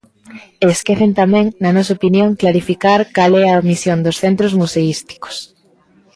E esquecen tamén, na nosa opinión, clarificar cal é a misión dos centros museísticos.